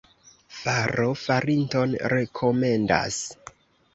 Faro farinton rekomendas.